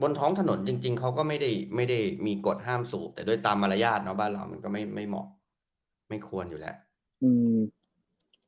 ท้องถนนจริงเขาก็ไม่ได้มีกฎห้ามสูบแต่ด้วยตามมารยาทเนอะบ้านเรามันก็ไม่เหมาะไม่ควรอยู่แล้ว